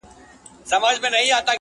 په کوڅه کې دې دربان ته څه حاجت وو ؟